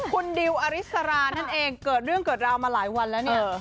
คุณดิวอริสรานั่นเองเกิดเรื่องเกิดราวมาหลายวันแล้วเนี่ย